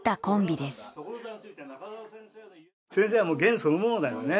先生はもうゲンそのものだよね。